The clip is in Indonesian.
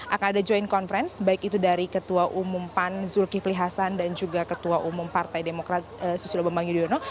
akan ada joint conference baik itu dari ketua umum pan zulkifli hasan dan juga ketua umum partai demokrat susilo bambang yudhoyono